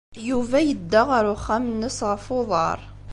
Yuba yedda ɣer uxxam-nnes ɣef uḍar.